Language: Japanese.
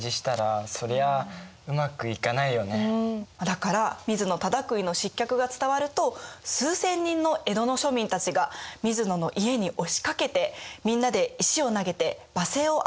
だから水野忠邦の失脚が伝わると数千人の江戸の庶民たちが水野の家に押しかけてみんなで石を投げて罵声を浴びせたらしいよ。